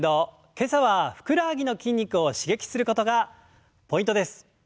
今朝はふくらはぎの筋肉を刺激することがポイントです。